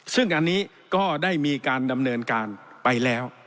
ซึ่งอันนี้ก็ได้มีการดำเนินการไปแล้ว